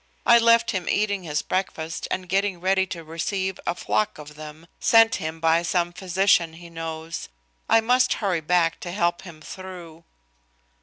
I left him eating his breakfast and getting ready to receive a flock of them sent him by some physicians he knows. I must hurry back to help him through."